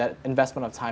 saya tidak mendapatkan